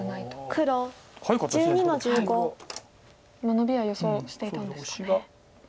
ノビは予想していたんですかね。